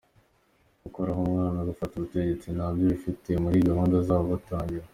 Gukuraho umwami, gufata ubutegetsi, ntabyo bari bafite muri gahunda zabo batangira.